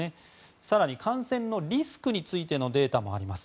更に感染のリスクについてのデータもあります。